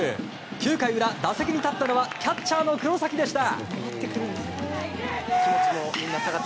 ９回裏、打席に立ったのはキャッチャーの黒崎でした。